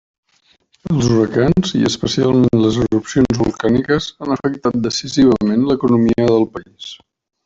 Els huracans i, especialment, les erupcions volcàniques han afectat decisivament l'economia del país.